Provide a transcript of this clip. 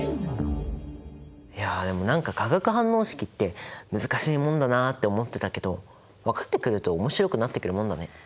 いやでも何か化学反応式って難しいもんだなって思ってたけど分かってくると面白くなってくるもんだね。